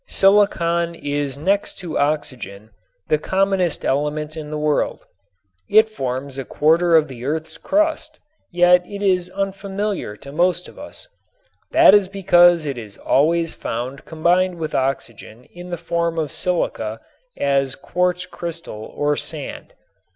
Silicon is next to oxygen the commonest element in the world. It forms a quarter of the earth's crust, yet it is unfamiliar to most of us. That is because it is always found combined with oxygen in the form of silica as quartz crystal or sand.